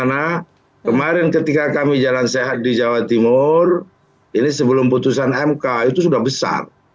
karena kemarin ketika kami jalan sehat di jawa timur ini sebelum putusan mk itu sudah besar